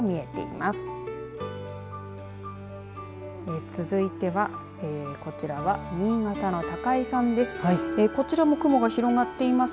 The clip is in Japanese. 続いてはこちらは新潟の高井さんです。